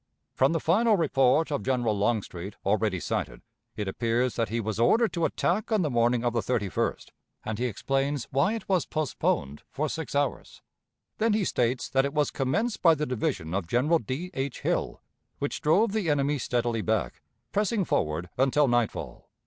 From the final report of General Longstreet, already cited, it appears that he was ordered to attack on the morning of the 31st, and he explains why it was postponed for six hours; then he states that it was commenced by the division of General D. H. Hill, which drove the enemy steadily back, pressing forward until nightfall.